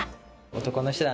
男の人で。